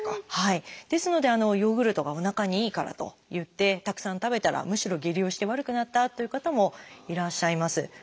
ですのでヨーグルトがおなかにいいからといってたくさん食べたらむしろ下痢をして悪くなったという方もいらっしゃいます。